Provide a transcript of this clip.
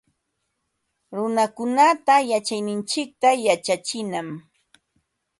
Runakunata yachayninchikta yachachinam